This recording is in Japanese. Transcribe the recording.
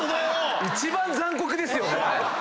一番残酷ですよね。